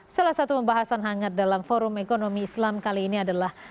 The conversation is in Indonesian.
salah satu pembahasan hangat dalam forum ekonomi islam kali ini adalah